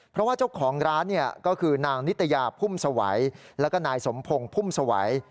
เพราะว่าเจ้าของร้านก็คือนางนิตยาพุ่มสวัยแล้วก็นายสมพงศ์พุ่มสวัย